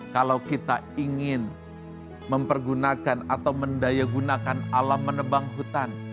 kalau kita ingin mempergunakan atau mendayagunakan alam menebang hutan